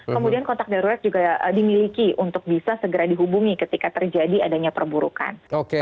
kemudian kontak darurat juga dimiliki untuk bisa segera dihubungi ketika terjadi adanya perburukan